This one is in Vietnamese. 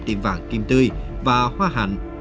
tiệm vạn kim tươi và hoa hạnh